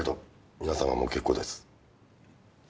皆さんはもう結構です。